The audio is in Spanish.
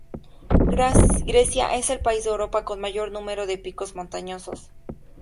Grecia es el país de Europa con mayor número de picos montañosos.